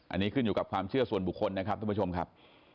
อันนี้ขึ้นอยู่กับความเชื่อส่วนบุคคลนะครับทุกผู้ชมครับ